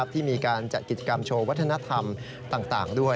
ที่มีการจัดกิจกรรมโชว์วัฒนธรรมต่างด้วย